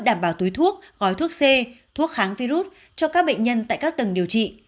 đảm bảo túi thuốc gói thuốc c thuốc kháng virus cho các bệnh nhân tại các tầng điều trị